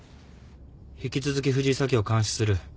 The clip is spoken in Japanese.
引き続き藤井早紀を監視する。